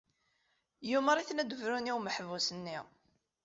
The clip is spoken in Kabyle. Yumeṛ-iten ad d-brun i umeḥbus-nni.